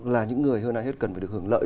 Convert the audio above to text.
là những người hơn ai hết cần phải được hưởng lợi